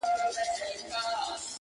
ته يې بد ايسې،